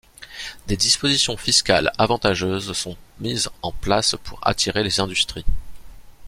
Des dispositions fiscales avantageuses sont mises en place pour attirer les industries.